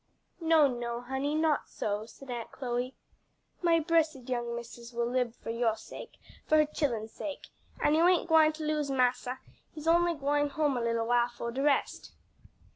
"No, no, honey, not so," said Aunt Chloe; "my bressed young missus will lib for yo' sake, for her chillens' sake. An' you ain't gwine to lose massa: he's only gwine home a little while 'fore de rest."